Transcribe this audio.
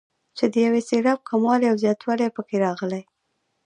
چې د یو سېلاب کموالی او زیاتوالی پکې راغلی.